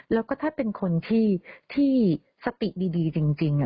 แล้วก็ถ้าเป็นคนที่สติดีจริง